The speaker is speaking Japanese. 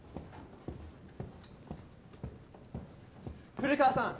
古川さん。